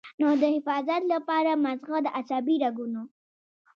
نو د حفاظت له پاره مازغۀ د عصبي رګونو